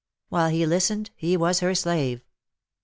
While he listened he was her slave.